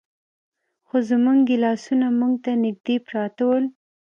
خو زموږ ګیلاسونه موږ ته نږدې پراته ول.